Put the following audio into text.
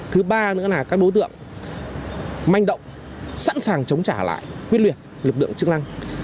thứ ba nữa là các đối tượng manh động sẵn sàng chống trả lại quyết liệt lực lượng chức năng